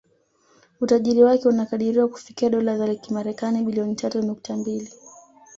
Utajiri wake unakadiriwa kufikia Dola za kimarekani bilioni tatu nukta mbili